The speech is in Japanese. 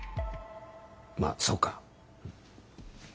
まあそうか。